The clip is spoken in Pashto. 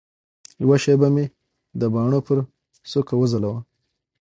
یوه شېبه مي د باڼو پر څوکه وځلوه